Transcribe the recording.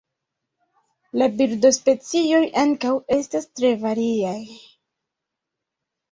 La birdospecioj ankaŭ estas tre variaj.